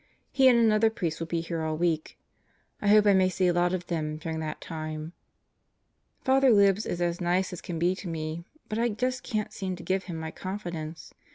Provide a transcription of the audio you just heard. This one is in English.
He and another priest will be here all week. I hope I may see a lot of them during that time. ... Father Libs is as nice as can be to me, but I just can't seem to give him my confidence.